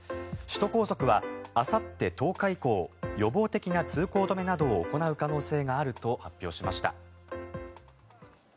首都高速はあさって１０日以降予防的な通行止めなどを行う可能性があると発表しました。